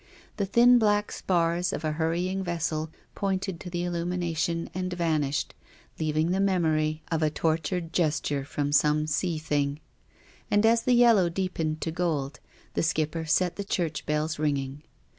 The thin black spars of a hurrying vessel pointed to the ilhimina tion and vanished, leaving the memory of ;i tor 6o TONGUES OF CONSCIENCE. tured gesture from some sea thing. And as the yellow deepened to gold, the Skipper set the church bells ringing.